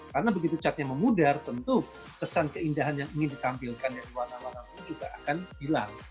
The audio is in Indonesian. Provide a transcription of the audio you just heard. karena begitu catnya memudar tentu pesan keindahan yang ingin ditampilkan yang luar nama langsung juga akan hilang